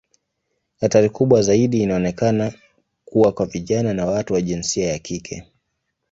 Hatari kubwa zaidi inaonekana kuwa kwa vijana na watu wa jinsia ya kike.